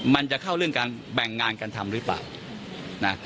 มันจะเข้าเรื่องการแบ่งงานกันทำหรือเปล่านะ